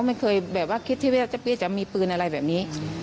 แม่คิดว่าเป็นอุบัติเหตุ